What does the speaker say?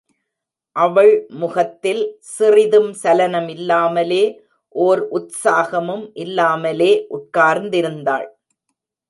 அவள் முகத்தில் சிறிதும் சலனமில்லாமலே ஓர் உத்ஸாகமும் இல்லாமலே உட்கார்ந்திருந்தாள்.